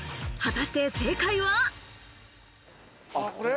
果たして正解は。